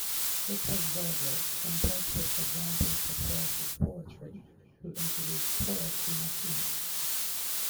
It was Virgil, impressed with examples of Horace's poetry, who introduced Horace to Maecenas.